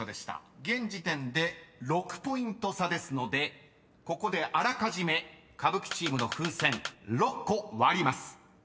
［現時点で６ポイント差ですのでここであらかじめ歌舞伎チームの風船６個割ります］